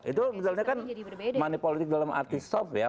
itu misalnya kan money politic dalam arti stop ya